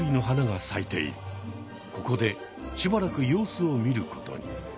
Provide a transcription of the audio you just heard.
ここでしばらく様子を見ることに。